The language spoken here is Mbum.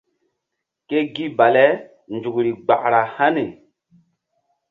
Ke gi bale nzukri gbara hani.